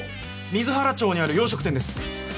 水原町にある洋食店です。